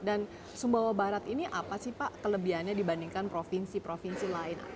dan subawabarat ini apa sih pak kelebihannya dibandingkan provinsi provinsi lain